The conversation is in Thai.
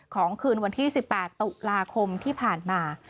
คืนวันที่๑๘ตุลาคมที่ผ่านมา